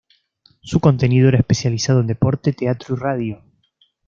Su contenido era especializado en deporte, teatro y radio.